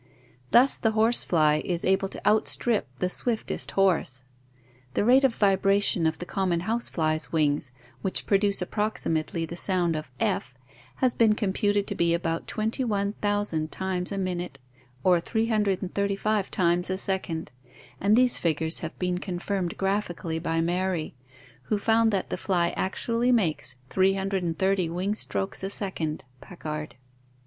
Thus the horse fly is able to outstrip the swiftest horse. The rate of vibration of the common house fly's wings, which produce approximately the sound of F, has been computed to be about 21,000 times a minute or 335 times a second, and these figures have been confirmed graphi cally by Marey, who found that the fly actually makes 330 wing strokes a second (Packard).